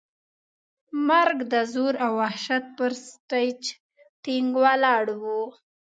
مرګ د زور او وحشت پر سټېج ټینګ ولاړ و.